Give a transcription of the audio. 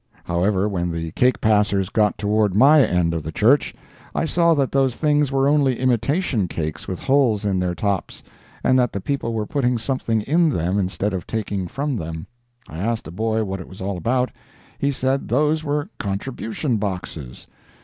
However, when the cake passers got toward my end of the church, I saw that those things were only imitation cakes with holes in their tops, and that the people were putting something in them instead of taking from them. I asked a boy what it was all about. He said those were contribution boxes.